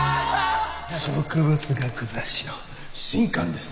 植物学雑誌の新刊です。